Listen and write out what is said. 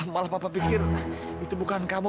malah papa pikir itu bukan kamu